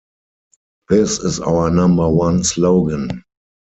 This is our number one slogan.